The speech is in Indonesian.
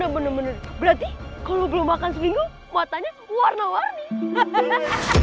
berarti kalau belum makan seminggu matanya warna warni